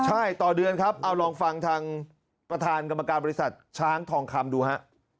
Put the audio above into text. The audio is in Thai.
ใช่ต่อเดือนครับเอาลองฟังทางประธานกรรมการบริษัทช้างทองคำดูฮะ